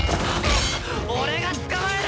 俺が捕まえる！